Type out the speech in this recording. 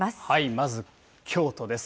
まず京都です。